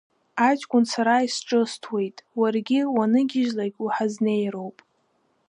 Аҷкәын сара изҿысҭуеит, уаргьы уаныгьежьлак уҳазнеироуп.